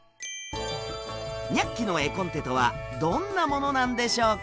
「ニャッキ！」の絵コンテとはどんなものなんでしょうか？